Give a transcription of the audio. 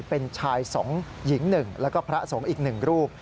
เป็นชายสงศ์หญิงหนึ่งและก็พระสงศ์อีกหนึ่งรูป